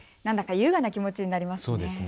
優雅な気持ちになりますね。